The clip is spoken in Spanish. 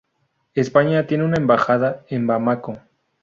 España tiene una embajada en Bamako.